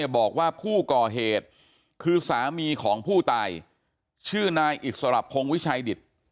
บอกว่าผู้ก่อเหตุคือสามีของผู้ตายชื่อนายอิสระพงศ์วิชัยดิต